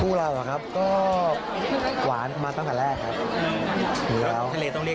คู่เราหวานหรอครับก็หวานมาตั้งแต่แรกครับอยู่แล้ว